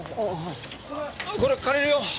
これ借りるよ。